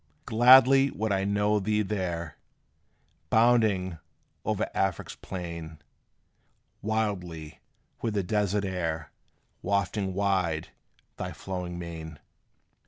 Gladly would I know thee there, Bounding over Afric's plain, Wildly, with the desert air Wafting wide thy flowing mane.